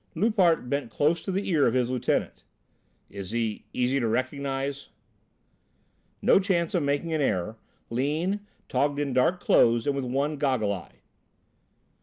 Loupart bent close to the ear of his lieutenant. "Is he easy to recognise?" "No chance of making an error. Lean, togged in dark clothes and with one goggle eye."